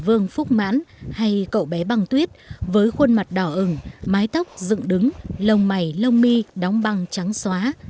vương phúc mãn hay cậu bé băng tuyết với khuôn mặt đỏ ừng mái tóc dựng đứng lông mày lông mi đóng băng trắng xóa